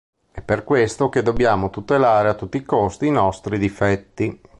È per questo che dobbiamo tutelare a tutti i costi i nostri difetti.